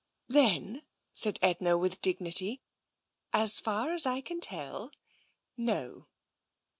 Then," said Edna with dignity, " as far as I rin tell, no."